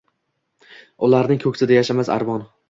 Ularning ko’ksida yashamas armon.